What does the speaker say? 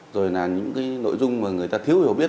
rồi là những cái nội dung mà người ta thiếu hiểu biết